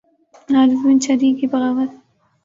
حارث بن شریح کی بغاوت